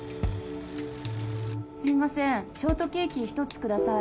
すみませんショートケーキ１つ下さい。